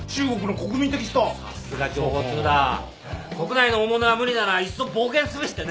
国内の大物が無理ならいっそ冒険すべしってね。